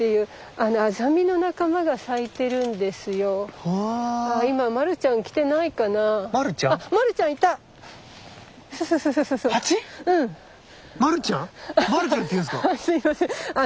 あすいません。